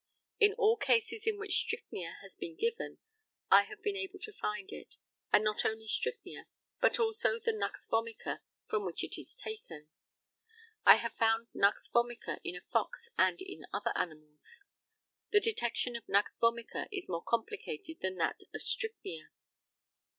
In all cases in which strychnia has been given I have been able to find it, and not only strychnia, but also the nux vomica from which it is taken. I have found nux vomica in a fox and in other animals. The detection of nux vomica is more complicated than that of strychnia.